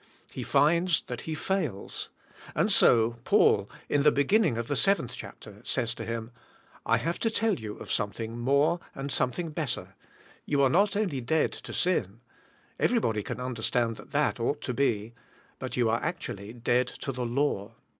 He finds that he fails, and so Paul, in the beginning of the seventh chapter, says to him, I have to tell you of something more and something better: you are not only dead to sin — everybody can understand that that ought to be — but you are actually dead to the law.